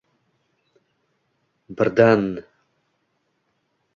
Birdan…